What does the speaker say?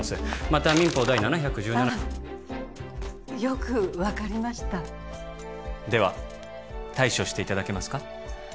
また民法第７１７あっよく分かりましたでは対処していただけますか？